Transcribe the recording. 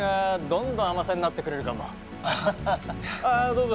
どうぞ。